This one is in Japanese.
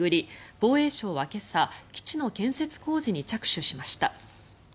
防衛省は今朝基地の建設工事に着手しました。